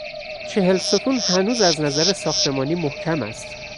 چهل ستون هنوز از نظر ساختمانی محکم است.